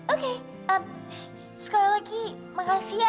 oke sekali lagi makasih ya